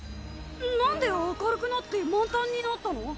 何で明るくなって満タンになったの？